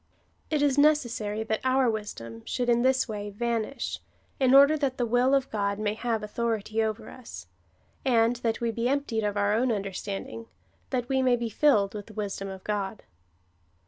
It is necessary that our wisdom should in this way vanish, in order that the will of God may have authority over us, and that we be emj)tied of our own under standing, that Ave may be filled with the wisdom of God.